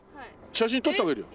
写真撮ってあげるよ。